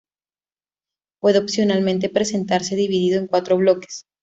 Puede, opcionalmente, presentarse dividido en cuatro bloques.